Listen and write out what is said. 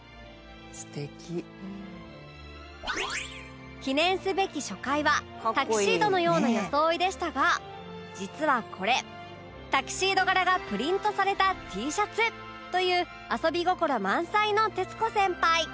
「素敵」記念すべき初回はタキシードのような装いでしたが実はこれタキシード柄がプリントされた Ｔ シャツという遊び心満載の徹子先輩